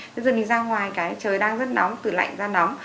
thế bây giờ mình ra ngoài cái trời đang rất nóng từ lạnh ra nóng